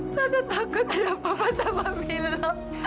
tata takut ada apa apa sama milo